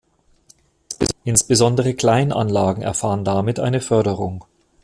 Insbesondere Kleinanlagen erfahren damit eine Förderung.